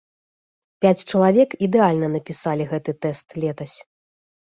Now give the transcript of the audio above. Пяць чалавек ідэальна напісалі гэты тэст летась.